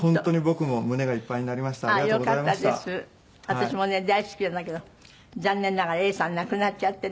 私もね大好きなんだけど残念ながら永さん亡くなっちゃってね。